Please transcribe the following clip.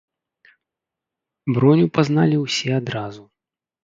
Броню пазналі ўсе адразу.